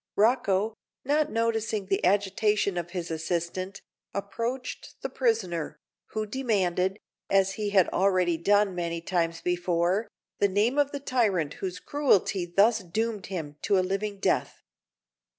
Rocco, not noticing the agitation of his assistant, approached the prisoner, who demanded, as he had already done many times before, the name of the tyrant whose cruelty thus doomed him to a living death.